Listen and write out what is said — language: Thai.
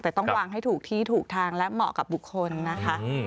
แต่ต้องวางให้ถูกที่ถูกทางและเหมาะกับบุคคลนะคะ